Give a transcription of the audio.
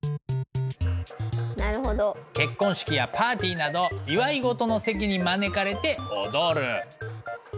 結婚式やパーティーなど祝い事の席に招かれて踊る。